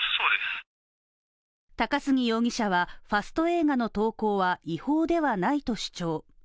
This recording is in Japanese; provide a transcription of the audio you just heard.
高杉容疑者はファスト映画の投稿は違法ではないと主張。